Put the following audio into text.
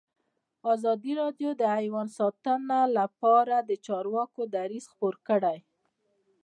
ازادي راډیو د حیوان ساتنه لپاره د چارواکو دریځ خپور کړی.